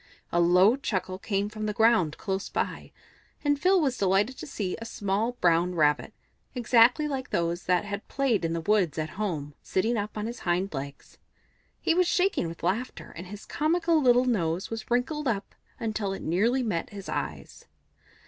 A low chuckle came from the ground close by, and Phil was delighted to see a small brown Rabbit, exactly like those that had played in the woods at home, sitting up on his hind legs. He was shaking with laughter, and his comical little nose was wrinkled up until it nearly met his eyes.